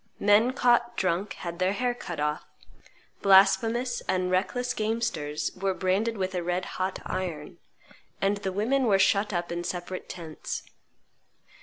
Men caught drunk had their hair cut off; blasphemous and reckless gamesters were branded with a red hot iron; and the women were shut up in separate tents.